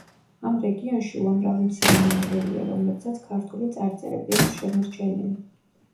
ამ რეგიონში უამრავი მცირე ნანგრევია, რომლებსაც ქართული წარწერები აქვს შემორჩენილი.